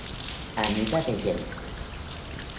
Amiga de Jennifer.